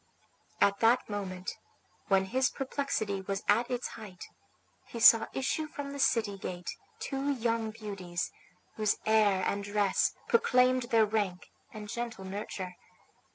At that moment, when his perplexity was at its height, he saw issue from the city gate two young beauties, whose air and dress proclaimed their rank and gentle nurture.